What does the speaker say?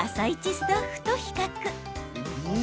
スタッフと比較。